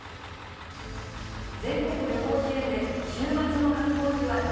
全国旅行支援で、週末の観光